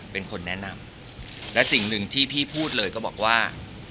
เป็นคนแนะนำและสิ่งหนึ่งที่พี่พูดเลยก็บอกว่า